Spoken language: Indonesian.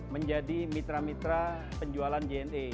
menjadi mitra mitra penjualan jna